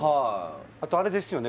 あとあれですよね